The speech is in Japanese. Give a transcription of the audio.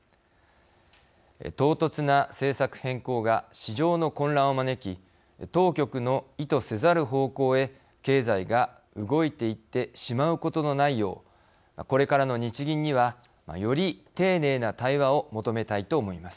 唐突な政策変更が市場の混乱を招き当局の意図せざる方向へ経済が動いていってしまうことのないようこれからの日銀にはより丁寧な対話を求めたいと思います。